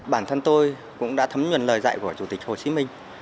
bản thân tôi cũng đã thấm nhuần lời dạy của chủ tịch hồ chí minh